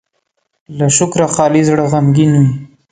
له شکره خالي زړه غمګين وي.